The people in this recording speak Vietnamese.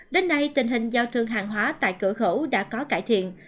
đến nay tình hình giao thương hàng hóa tại cửa khẩu đã có cải thiện